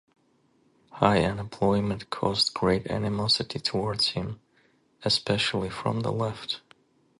High unemployment caused great animosity towards him, especially from the left.